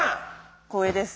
光栄です。